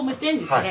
はい。